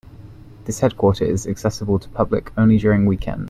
This headquarter is accessible to public only during weekends.